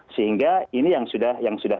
sehingga ini yang sudah yang sudah